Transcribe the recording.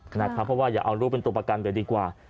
เพราะว่าอย่าเอาลูกเป็นตัวประกันเลยดีกว่า